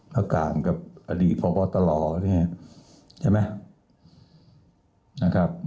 ก็กลางกับอดีตพปตลใช่ไหมนะครับ